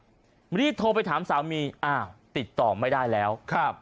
รีบโทรไปถามสามีอ้าวติดต่อไม่ได้แล้วครับ